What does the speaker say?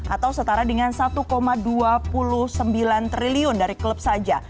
atau setara dengan satu dua puluh sembilan triliun dari klub saja